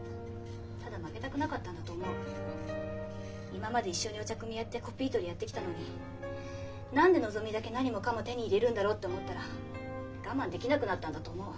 今まで一緒にお茶くみやってコピー取りやってきたのに何でのぞみだけ何もかも手に入れるんだろうって思ったら我慢できなくなったんだと思う。